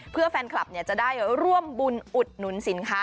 เพื่อแฟนคลับจะได้ร่วมบุญอุดหนุนสินค้า